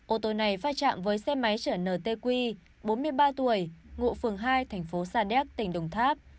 ô tô này pha chạm với xe máy chở ntq bốn mươi ba tuổi ngụ phường hai thành phố sa đéc tỉnh đồng tháp